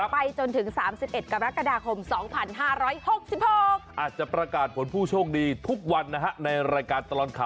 ไปจนถึง๓๑กรกฎาคม๒๕๖๖